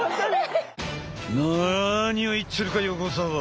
何を言ってるか横澤！